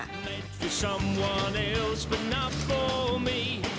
kini hadir di jakarta